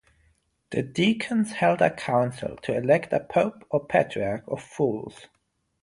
The deacons held a council to elect a Pope or Patriarch of Fools.